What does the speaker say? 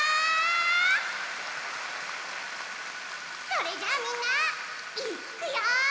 それじゃあみんないっくよ！